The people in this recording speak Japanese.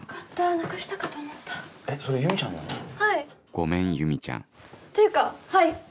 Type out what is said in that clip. ごめん由美ちゃんっていうかはい！